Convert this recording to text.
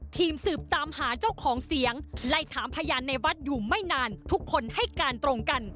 ทีมสืบตามหาเจ้าของเสียงไล่ถามพยานในวัดอยู่ไม่นานทุกคนให้การตรงกัน